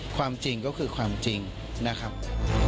ความจริงก็คือความจริงนะครับ